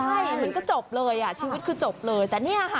ใช่มันก็จบเลยอ่ะชีวิตคือจบเลยแต่เนี่ยค่ะ